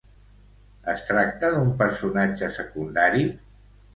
Es tracta d'un personatge secundari?